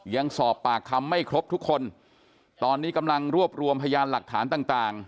ยังสอบปากคำไม่ครบทุกคนตอนนี้กำลังรวบรวมพยานหลักฐานต่างต่าง